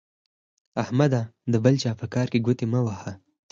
احمده د بل چا په کار کې ګوتې مه وهه.